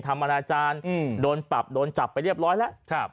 อนาจารย์โดนปรับโดนจับไปเรียบร้อยแล้ว